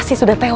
itu sudah begitu